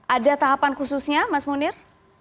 ada tahapan khususnya mas munir